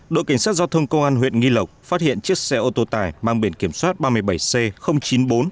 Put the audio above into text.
đội cảnh sát giao thông công an huyện nghi lộc phát hiện chiếc xe ô tô tài mang biển kiểm soát ba mươi bảy c chín mươi bốn hai mươi sáu